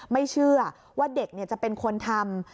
ไม่เชื่อว่าเด็กจะเป็นคนทำ